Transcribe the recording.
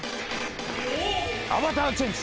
アバターチェンジ！